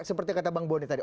seperti kata bang boni tadi